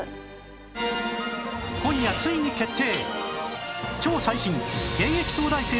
今夜ついに決定！